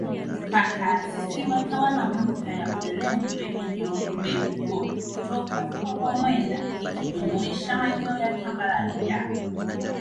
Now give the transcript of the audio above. pakaasisiwa tawala mpya ya Ulelengwe iliyomegwa toka kwa wamwenda ikijumuisha maeneo ya tambarare ya